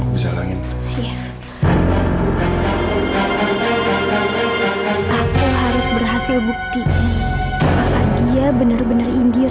keluar keluar sekarang